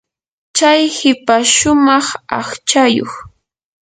chay hipash shumaq aqchayuq.